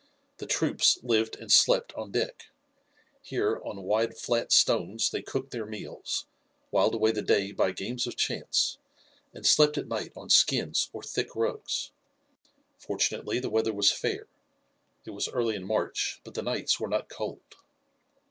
The troops lived and slept on deck. Here, on wide flat stones, they cooked their meals, whiled away the day by games of chance, and slept at night on skins or thick rugs. Fortunately the weather was fair. It was early in March, but the nights were not cold.